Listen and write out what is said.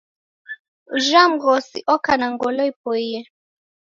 Ujha mghosi oka na ngolo ipoie